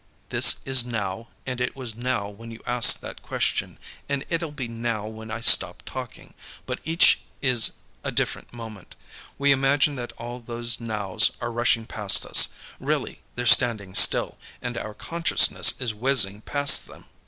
This is 'now,' and it was 'now' when you asked that question, and it'll be 'now' when I stop talking, but each is a different moment. We imagine that all those nows are rushing past us. Really, they're standing still, and our consciousness is whizzing past them."